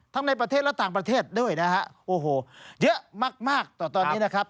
ในประเทศและต่างประเทศด้วยนะฮะโอ้โหเยอะมากมากต่อตอนนี้นะครับ